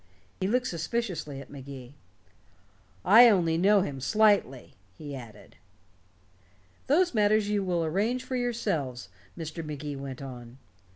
He looked suspiciously at Magee. "I only know him slightly," he added. "Those matters you will arrange for yourselves," Mr. Magee went on.